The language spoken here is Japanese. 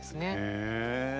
へえ。